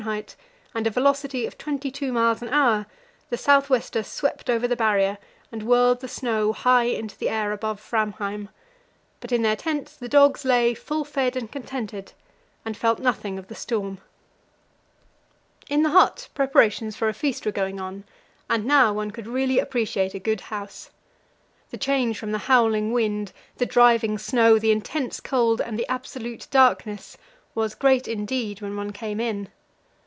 and a velocity of twenty two miles an hour, the south wester swept over the Barrier, and whirled the snow high into the air above Framheim; but in their tents the dogs lay, full fed and contented, and felt nothing of the storm. In the hut preparations for a feast were going on, and now one could really appreciate a good house. The change from the howling wind, the driving snow, the intense cold, and the absolute darkness, was great indeed when one came in.